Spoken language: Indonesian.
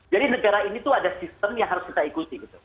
jadi negara ini itu ada sistem yang harus kita ikuti